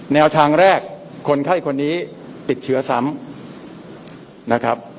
แนวทางแรกคนไข้คนนี้ติดเชื้อซ้ำนะครับ